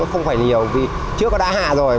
không phải nhiều trước nó đã hạ rồi